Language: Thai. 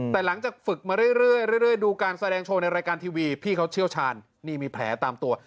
แต่หลังจากฝึกมาเรื่อยดูการแสดงโชว์ในรายการทีวีพี่เขาเชี่ยวชาญนี่มีแผลตามตัว